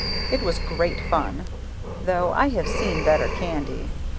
It was great fun, though I have seen better candy.